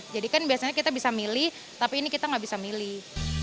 jadi kan biasanya kita bisa milih tapi ini kita gak bisa milih